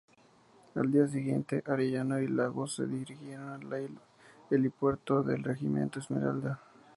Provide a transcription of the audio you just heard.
Al día siguiente, Arellano y Lagos se dirigieron al helipuerto del regimiento Esmeralda.